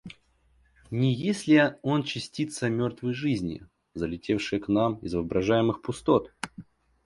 Не есть ли он частица мертвой жизни, залетевшая к нам из воображаемых пустот?